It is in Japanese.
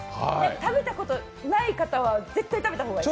食べたことない方は、絶対食べた方がいい！